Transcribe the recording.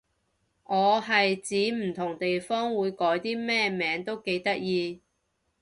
我係指唔同地方會改啲咩名都幾得意